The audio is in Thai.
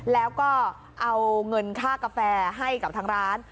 แล้วก็เอาเงินค่ากาแฟให้กับทางร้าน